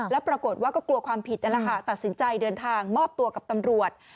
แล้วปรากฏว่าก็กลัวความผิดนั่นแหละค่ะตัดสินใจเดินทางมอบตัวกับตำรวจ